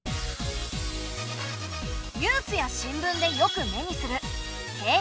ニュースや新聞でよく目にする景気。